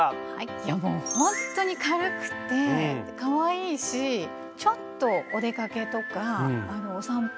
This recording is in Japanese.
いやもうほんっとに軽くってかわいいしちょっとお出かけとかお散歩。